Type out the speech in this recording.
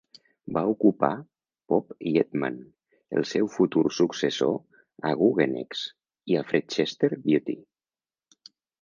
Va ocupar Pope Yeatman, el seu futur successor a Guggenex, i Alfred Chester Beatty.